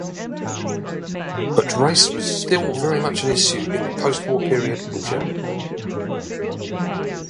But race was still very much an issue in the post-war period in Germany.